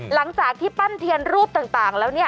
หลังจากที่ปั้นเทียนรูปต่างแล้วเนี่ย